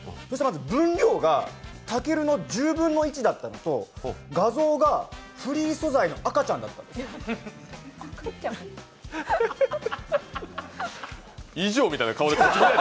そしたら分量がたけるの１０分の１だったのと画像が、フリー素材の赤ちゃんだったんです。